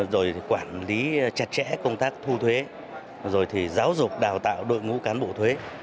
rồi quản lý chặt chẽ công tác thu thuế rồi thì giáo dục đào tạo đội ngũ cán bộ thuế